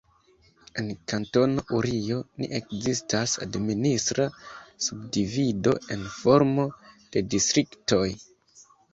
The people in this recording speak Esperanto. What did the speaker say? En Kantono Urio ne ekzistas administra subdivido en formo de distriktoj.